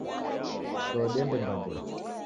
Choo diende mbandenyi.